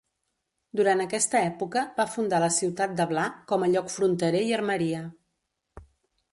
Durant aquesta època va fundar la ciutat de Bla, com a lloc fronterer i armeria.